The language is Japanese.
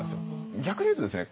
逆に言うとですね